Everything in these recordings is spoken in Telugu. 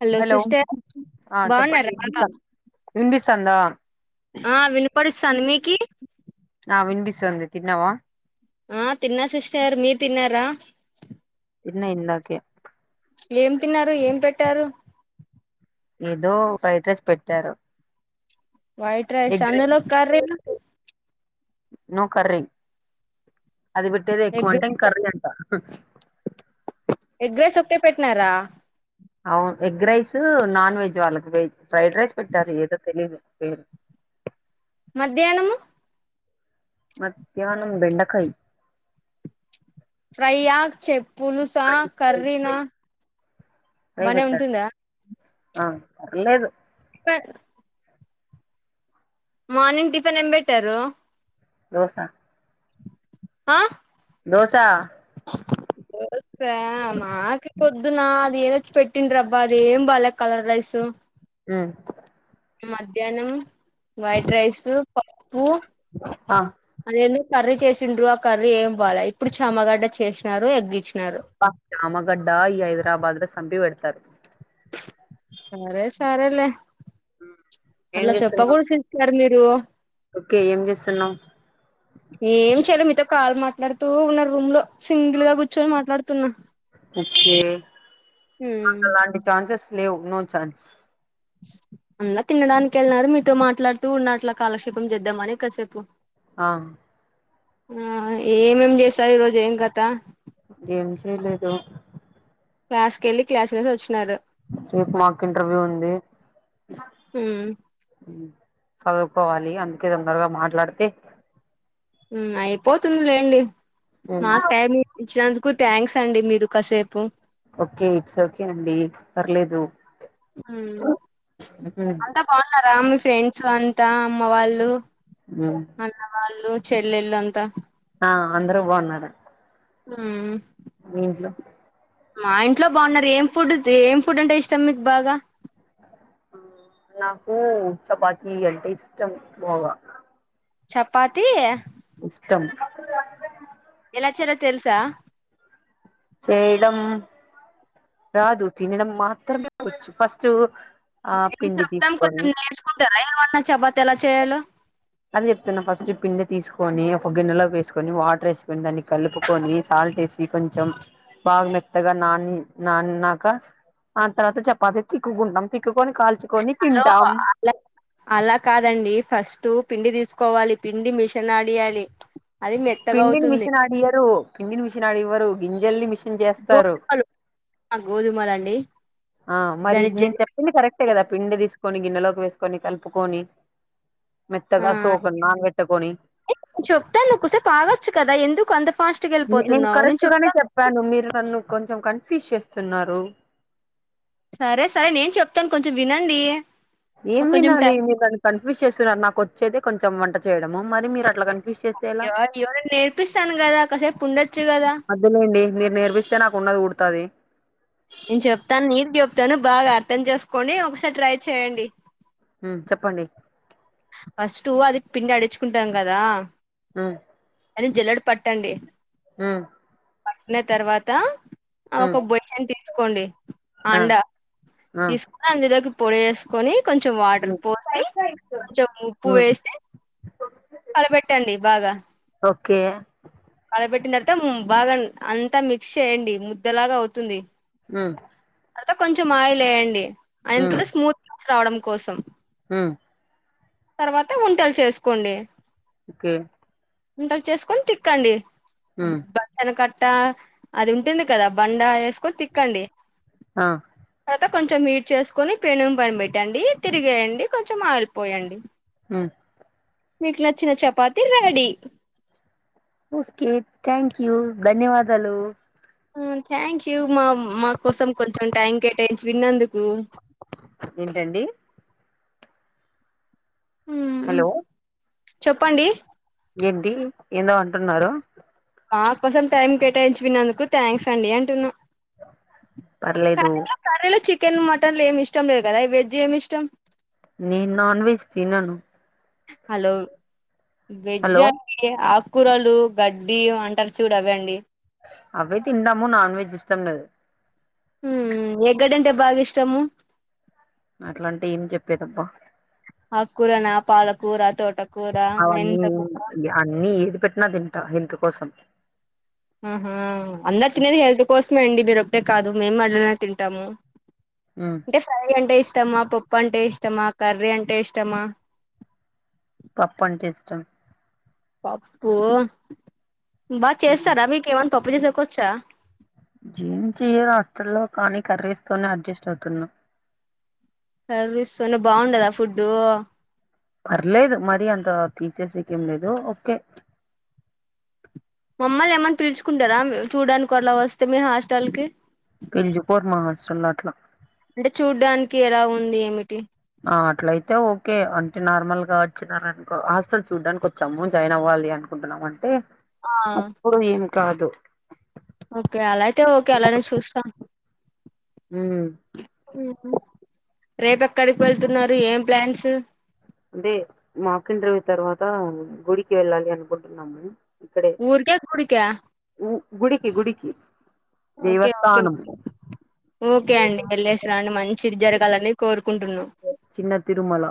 హలో సిస్టర్ బాగున్నారా ఇండి సంద ఆ వినిపడిస్తాను మీకి అ విన్బస్తంది తన్నావా ఆ తిన్నా సిస్టర్ మీరు తిన్నారా తిన్న ఇందాకే ఏం తిన్నారు ఏం పెట్టారు ఏదో ఫ్రైడ్ రైస్ పెట్టారు వైట్ రైస్ అన్దులొ కర్రీను నోకర్రీ అది పెట్టేదే ఎక్కువ ఎగ్ అంటే ఇంక రైస్ కర్రీ అంట హ ఎగ్ రైస్ ఒకటే పెట్నారా అవును ఎగ్ రైస్ నాన్ వెజ్ వాళ్ళకి వెజ్ ఫ్రైడ్ రైస్ పెట్టారు ఏదో తెలీదు పేరు మధ్యాహ్నము మద్యానం బెండకాయ్ ఫ్రై ఆక్ చెప్ పులుసా కర్రీనా, ఫ్రై బనే పెట్టారు ఉంటుందా ఆ పర్లేదు స మార్నింగ్ టిఫిన్ ఏంబెట్టారు దోశ ఆ దోసా తెలుసా మాకి పొద్దున అది ఏదోచ్చి పెట్టిండ్రబ్బా అది ఏం బాలె కలర్ రైస్ మ్ మధ్యాహ్నం వైట్ రైస్, పప్పు ఆ, అదే కర్రీ చేసిండ్రు ఆ కర్రీ ఏం బాలే ఇప్పుడు చమగడ్డ చేసినారు ఎగ్గి రామగడ్డ ఈ హైదరాబాదులో సంబి వెడత స సరే సరేలే ఏం అట్లా చేస్తున్నావ్ చెప్పకూడా తీస్తారు మీరు ప్యూర్ ఓకే ఏం చేస్తున్నావు ఏం చెయలే మీతో కాలు మాట్లాడుతూ ఉన్నా రూమ్ లో సింగిల్ గా కూర్చొని మాట్లాడుతున్నా ఓకే ఉమ్ నాకలాంటి ఛాన్సెస్ లేవు ను చాన్స్ అంతా తినడానికి వెళ్ళినారు మీతో మాట్లాడుతూ ఉన్న అట్లా కాలక్షేపం చేద్దామని కాసేపు ఆ ఆ ఏమేం చేస్తారు ఈ రోజు ఏం కత ఏం చేయలేదు క్లాస్ కెళ్ళి క్లాసెస్ వచ్చి స మాకు ఇంటర్వ్యూ ఉంది ఉమ్ చదువుకోవాలి అందుకే తొందరగా మాట్లాడితే మ్ అయిపోతుంది లేండి హ్మ్. మాకు టైమ్ ఇచ్చిన కు థ్యాంక్స్ అండి మీరు కాసేపు ఓకే ఇట్స్ ఓకే అండి పర్లేదు మ్ హ్మ్. అంతా బాగున్నారు ఫ్యామిలీ, ఫ్రెండ్స్ అంతా అమ్మ వాళ్ళు హ్మ్. అన్న వాళ్ళు చెెల్లెలు అంతా ఆ అందరు బాగున్నారు హ్మ్ మీ ఇంట్లో మా ఇంట్లో బాగున్నారు ఏం ఫుడ్ ఏం ఫుడ్ అంటే ఇష్టం మీకు బాగా నాకు చపాతి అంటే ఇష్టం బాగా చపాతిీ ఈ ఇష్టం ఎలా చేయాలో తెల్సా చేయడం రాదు తినడం మాత్రంేచ్చు ఫస్ట్ ఆ మేము పిండి చెప్తాం కొంచెం తీసుకొని నేర్చుకుంటారా ఏమన్నా చపాతి ఎలా చేయాలో కొని ఒక గిన్నెలో వేసుకొని వాటర్ వేసుకొని దాన్ని కలుపుకొని సాల్ట్ేసి కొంచెం బాగా మెత్తగా నాని నాని నాక ఆ తర్వాత చపాతి తిక్కుంటాం తిక్కుకొని కాల్చి హలో అ అలా కాదండి ఫస్ట్ పిండి తీసుకోవాలి పిడి మిష్ పిండిని అవుతుంది మిషనాడియరు పిండిని మిషనాడివరు గింజల్ నీ మిష్ గోధుమలు గోధుమలు అండి ఆ మరి నేను చెప్పింది కరెక్టే కదా పిండి తీస్ కొని గిన్నెలోకి వేసుకొని కలుపుకొని ఆ మెత్తగా సోకని నానబెట్టుకొని చెప్తా నుకుసేపు ఆగొచ్చు కదా ఎందుకు అంత ఫాస్ట్గా నేను వెళ్ళిపోతున్నావు కరెక్ట్ గానే చెప్తాను చెప్పాను మీరు నన్ను కొ చెం కన్ఫ్యూజ్ చేస్తున్నారు సరే సరే నేను చెప్తాను కొంచెం వినండి ఏం నాకు కొంచెం వినాలి టైం మీరుని కన్ఫ్యూజ్ చేస్తున్నారు నాకు వచ్చేతే కొంచెం వంట చేయడము మరి మీరు అట్లా కని నేర్పిస్తాను కదా కాసేపు ఉండొచ్చు కదా తది నేను చెప్తాను నీట్ చెప్తాను బాగా అర్థం చేసుకోండి ఒకసారి ట్రై చేయండి హుమ్ చెప్పండి ఫస్ట్ అది పిండి అడిచుకుంటాం కదా ఆ అది జల్లడు పట్టండి ఉమ్ పట్న తర్వాతా ఆ ఒక బొచెని తీస్ కోండి ఆ ఆండా ఆ తీసుకు అందులోకి పొడేస్సుకొని కొంచెం వాటర్ మ్మ్ పోసి కొంచెం ఉప్పు మ్మ్ వేసి కలపెట్టండి బాగా ఓకే కలపెట్టినతర్వత బాగా అంతా మిక్స్ చేయండి ముద్దలాగా అవుతుంది మ్ తర్వత కొంచెం ఆయిలేయండి ఆయందుకులు స్మూత్ కావడం కోసం ఆ తర్వాత వంటలు చేసుకోండి ఓకే వుండల్ చేసుకొని తిక్కండి మ్మ్ బచ్చల కట్ అట్టా అది ఉంటుంది కదా బండ ఏసుకొని తిక్కండి ఆ తర్వాత కొంచెం మీట్ చేసుకొని పెనుం పైన్ పెట్టండి తిరిగేయండి కొంచెం ఆయిల్పోయండి ఆ మీకు నచ్చిన chapati ready okay thank you ధన్యవాదాలు థ్యాంక్ యూ మా మా కోసం కొంచెం టైం కేటాయించి విన్నందుకు ఏంటండి మ్ హలో చెప్పండి ఏంటి ఏందో అంటున్నారు మా కోసం టైం కేటాయించి విన్నందుకు థ్యాంక్స్ అండి అంటున్నా పర్లేదు కర్రీలో కర్రీలో చికెన్ మటన్లు ఏమి ఇష్టం లేదు కదా వెజ్ ఏమి ఇష్టం నెన్ నాన్ వెజ్ తీననూ హలో వెజ్ హలో అగ్గీయే ఆగ్ కూరలు గడ్డి అంటారు చూడ అవండి అవె తిందాము నాన్ వెెజ్ ఇష్టం లేదు హ ఎగడంటే బాగా ఇష్టము అట్లా అంటే ఏం చెప్పేదబ్బా అకురనా పాలకూర తోట అవన్నీ అన్నిీ ఏందుకట్లా ప తింట ఎందుకు కోసం ఆహా అన్నత్ నేని హెల్త్ కొసం ఇమండి మీరు అప్పుడే కాదు మేము మళ్ళనే తింటాము ఉమ్, అంటే ఫై అంటే ఇష్ట ఇష్టమా పప్పు అంటే ఇష్టమా కర్రీ అంటే ఇష్టమా పప్పు అంటే ఇష్టం పప్పు బాగా చేస్తారా వికేవన్ పప్పు చేసుకొచ్చా జీమ్ చెయ్యరుస్తుల్లో కానీ కర్రీస్తోనే అడ్జస్ట్ అవుతున్నాం కర్రిస్ స్తునే బాగుండదా ఫుడ్డు పర్లేదు మరి అంత తీసేసేది ఏమి లేదు ఓకే మమ్మల్ని ఏమని పిలుచుకుంటారా చూడడానికి అలా వస్తే మీ హాస్టల్ కి పెంజ కోర్ మా హాస్టల్లో అట్లా అంటే చూడ్డానికి ఎలా ఉంది ఏమిటి అట్లయితే ఓకే అంటే నార్మల్ గా వచ్చినారనుకో హాస్టల్ చూడ్డానికి వచ్చాము జాయిన్ అవ్వాలి అనుకుంటున్నామ అంటే ఆ అప్పుడు ఏం కాదు ఓకే అలా అయితే ఓకే అలానే చూస్తాం హమ్ రేపు ఎక్కడికి వెళ్తున్నారు ఏం ప్లాన్స్ అంటే మా అక్క ఇంటర్వ్యూ తర్వాత గుడికి వెళ్ళాలి అనుకుంటున్నాము ఇక్కడే ఊరికా గుడికా ఉ- గుడికి గుడికి ఓకే ఓకే దేవస్థానం ఓకే అండి వెళ్ళేసర అండి మంచిది జరగాలని కోరుకుంటున్నాం చిన్న తిరుమల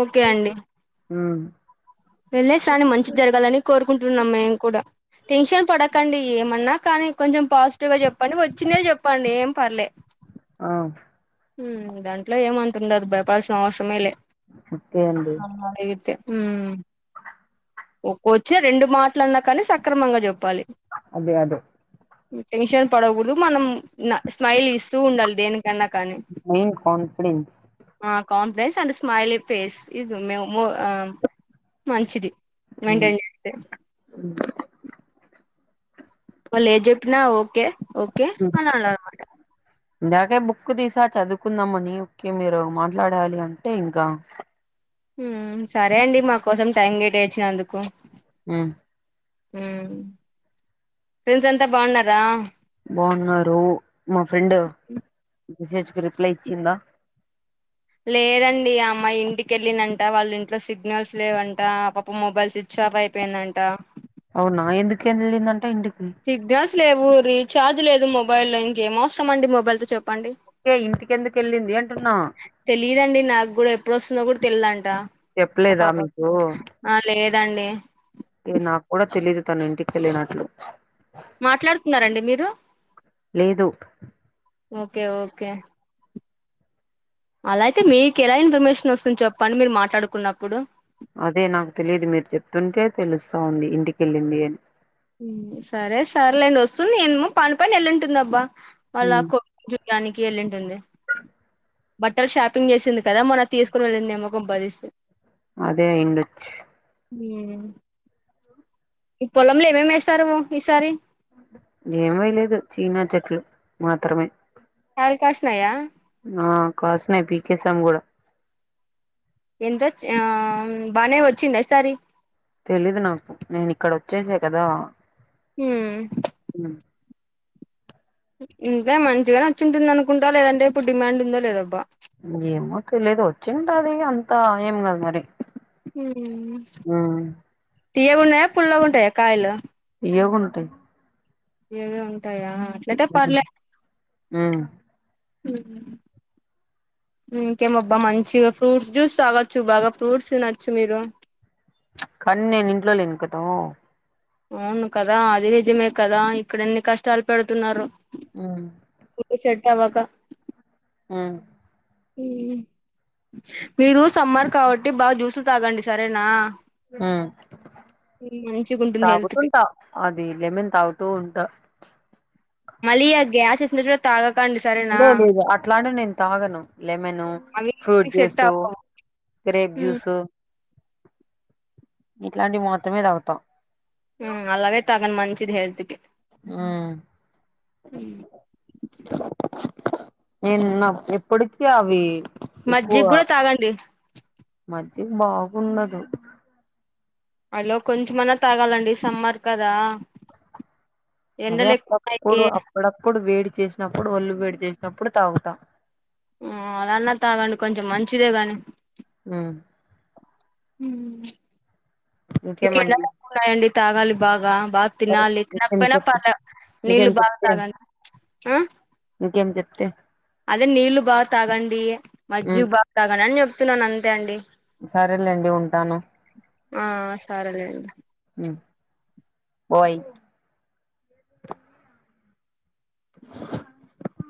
ఓకే అండి ఉమ్ వెళ్ళేసాని మంచిది జరగాలని కోరుకుంటున్నాం మేము కూడా టెన్షన్ పడకండి ఏమన్నా కానీ కొంచెం పాజిటివ్ గా చెప్పండి వచ్చిందే చెప్పండి ఏం పర్లేదు ఆ దాంట్లో ఏమంతతుండదు భయపడాల్సిన అవసరమే లే ఓకే అండి ఆ అయితే ఉమ్ ఒక్క వచ్చే రెండు మాటలు అన్నా కానీ సక్రమంగా చెప్పాలి అదే అదే టెన్షన్ పడకూడదు మనం స్మైల్ ఇస్తూ ఉండాలి దేనికన్నా కానీ మైన్ కన్ఫిడెన్స్ ఆ కాంప్లెన్స్ అండ్ స్మైల్ ఫేస్ ఇది మేము మంచిది ఉమ్ మెయింటైన్ చేస్తే మళ్ళ ఏం జెపిన ఓకే ఓకే అన అనలనమాట ఇందాకే బుక్ తీసా చదువుకుందాంమని ఓకే మీరు మాట్లాడాలి అంటే ఇంకా సరే అండి మా కోసం టైం కేటా ఇచ్చినందుకు ఆమ్ ఉమ్ ఫ్రెండ్స్ అంతా బాగున్నారా బాగున్నారు మా ఫ్రెండ్ మీసేజకి రిప్లై ఇచ్చిందా లేదండి అమ్మాయి ఇంటికెళ్ళిందంట వాళ్ళ ఇంట్లో సిగ్నల్స్ లేవంట ఆ పాప మొబైల్ స్విచ్ ఆఫ్ అయిపోయిందంట అవునా ఎందుకు ఏలిదంత అంటా ఇంటికి సిగ్నల్ లేవు ను రీచార్జ్ లేదు మొబైల్ లో ఇంక అవసరం అండి మొబైల్ తో చెప్ప పండి ఓకే ఇంటికి ఎందుకు వెళ్ళింది అంటున్నా తెలియదు అండి నాకు కూడా ఎప్పుడు వస్తుందో తెల్లడండి చెప్పలేదా మీకు అా లేదు దండి ఏ నాకు కూడా తెలీదు తన ఇంటికి వెళ్ళినట్లు మాట్లాడుతున్నరండి మీరు లేదు ఓకే ఓకే అలాయితే మీకు ఎలా ఇన్ఫర్మేషన్ వస్తుంది చెప్పండి మీరు మాట్లాడుకున్నప్పుడు అదే నాకు తెలిదు మీరు చెప్తుంటే తెలుస్తా ఉంది ఇంటికెళ్ళింది అని ఉమ్ సరే సర్లేండి వస్తుంది ఏమో పని పని ఎల్లుంటుంది అబ్బా వాళ్ళ ఉమ్ కో డు యానికి వెల్లింటుంది బట్టలు షాపింగ్ చేసింది కదా మొన తీసుకోని వెళ్ళింది ఏమో గంప్పదిసి అదే అయ్యుండొచ్చు ఉమ్ ఈ పొలంలో ఏమేమి వేస్తారు ఈసారి ఏం వేయాలేదు చీనా చెట్లు మాత్రమే ఆల్కాష్ నయ ఆ కాసున్నాయి పీకేేశం కూడా ఎంత చి ఆ బానే వచ్చిందయిసారి తెలీదు నాకు నేను ఇక్కడ వచ్చేసా కదా హుమ్ ఇంే మంచిగానే వచ్చింటుంది అనుకుంటా లేదంటే ఇప్పుడు డిమాండ్ ఉందో లేదబ్బా ఏమో తెలిదు వచ్చింట అది అంతా ఏం కదు మరి ఉమ్ హూ తీియ గున్నాయా పుల్ల గా ఉంటాయా కాయలు తీయ గుంటాయి తీయగా ఉంటాయా అట్లాతే పర్లే ఆ ఇంకేమబ్బా మంచిగా ఫ్రూట్స్ జ్యూస్ తాగచ్చు బాగా ఫ్రూట్స్ తినొచ్చు మీరు కానీ నేను ఇంట్లో లేను కదా అవును కదా అది నిజమే కదా ఇక్కడ ఇన్ని కష్టాలు పెడుతున్నారు ఆ తవ కా ఆ ఉమ్ మీరు సమ్మర్ కాబట్టి బాగా జ్యూస్లు తాగండి సరేనా హుమ్ మంచిగా ఉంటుంది హెల్త్ కి తాగుతుంటా అది లెమెన్ తాగుతూ ఉంటా మలియా గా ఆ గ్యాసెస్ వి కూడా తాగాక్ లే లేదు అట్లానే నేను తాగను లెమను అవి ఫ్రూట్ మీకు సెట్ జ్యూసు అవ్వవు గ్రేప్ ఉమ్ జ్యూసు ఇట్లాంటివి మాత్రమే తాగుతాం హ్మ్ అలాగే తగం మంచి ఇది హేళ్తుకి ఆ ఉమ్. నేన్న ఎప్పటిక అవి ఎక్కువ మజ్జిగ కూడా తాగండి మజ్జిగ బాగుండదు అలో కొంచెమన్నా తాగాలండి సమ్మర్ కదా అదే ఎండలు ఎక్కువ అప్పుడప్పుడు ఉన్నాయి అప్పుడప్పుడు వేడి చేసినప్పుడు ఒల్లు వేడి చేసినప్పుడు తాగుతా అలాన్న తాగండి కొంచెం మంచిదే గాని హ్మ్ హ్మ్ ఇంకేమండి [inaudible] ఉన్నాయండి తాగాలి బాగా బాగా సరే తినాలి ఇంకేం తినకపోయినా చెప్తే పర్లే నీళ్ళ ఇంకేం బాగా చెప్తే తాగండి కే అదే నీళ్ళు బ తాగండి ఉమ్ మజ్జిగ బ తాగండి అని చెప్తు చెప్తున్నానుఅంతే అండి సరేలేండి ఉంటాను ఆహ్ సరే లెండి హ్మ్ ఓయ్ [inaudible]